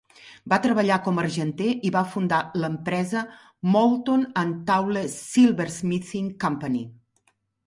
Va treballar com argenter i va fundar l"empresa "Moulton and Towle Silversmithing Company".